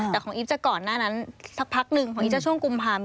แต่ของอีฟจะก่อนหน้านั้นสักพักนึง